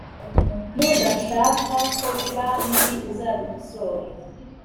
nudashaka ko biba bibi uzabikosore